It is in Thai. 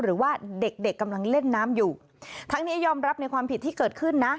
หรือว่าเด็กเด็กกำลังเล่นน้ำอยู่ทั้งนี้ยอมรับในความผิดที่เกิดขึ้นนะ